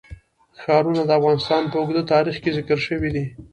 ښارونه د افغانستان په اوږده تاریخ کې ذکر شوی دی.